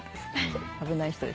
危ない人でした。